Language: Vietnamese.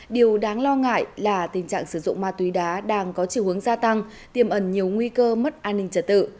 điều đáng lo ngại là tình trạng sử dụng ma túy đá đang có chiều hướng gia tăng tiềm ẩn nhiều nguy cơ mất an ninh trật tự